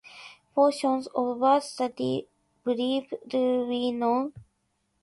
Portions of What the Bleep Do We Know?